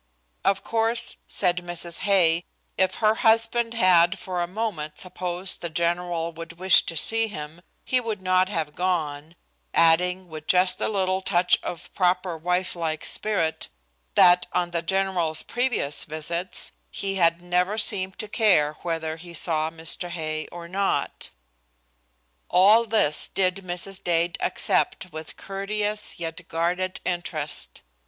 Of course, said Mrs. Hay, if her husband had for a moment supposed the general would wish to see him, he would not have gone, adding, with just a little touch of proper, wifelike spirit, that on the general's previous visits he had never seemed to care whether he saw Mr. Hay or not. All this did Mrs. Dade accept with courteous yet guarded interest.